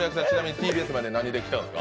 ＴＢＳまで何で来たんですか？